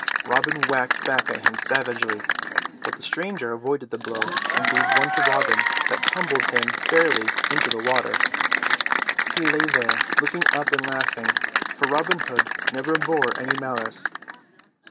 Robin whacked back at him savagely, but the stranger avoided the blow and gave one to Robin that tumbled him fairly into the water. He lay there looking up and laughing, for Robin Hood never bore any malice.